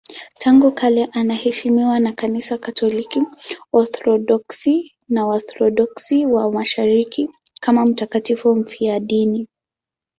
Tangu kale anaheshimiwa na Kanisa Katoliki, Waorthodoksi na Waorthodoksi wa Mashariki kama mtakatifu mfiadini.